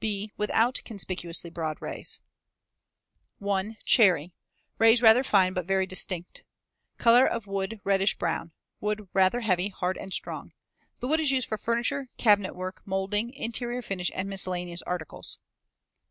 (b) Without conspicuously broad rays. 1. Cherry. Rays rather fine but very distinct. Color of wood reddish brown. Wood rather heavy, hard, and strong. The wood is used for furniture, cabinet work, moulding, interior finish, and miscellaneous articles.